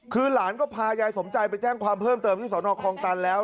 คือหลานก็พายายสมใจไปแจ้งความเพิ่มเติมที่สนคลองตันแล้ว